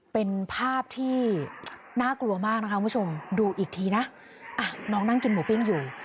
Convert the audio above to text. เป็นภาพที่น่ากลัวมากนะคะคุณผู้ชมดูอีกทีนะน้องนั่งกินหมูปิ้งอยู่